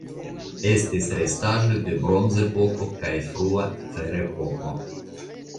Estis restaĵoj de Bronzepoko kaj frua Ferepoko.